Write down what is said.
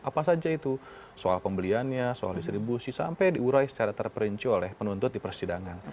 apa saja itu soal pembeliannya soal distribusi sampai diurai secara terperinci oleh penuntut di persidangan